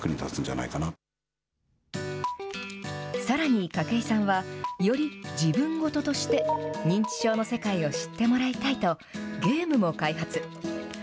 さらに筧さんは、より自分ごととして、認知症の世界を知ってもらいたいと、ゲームも開発。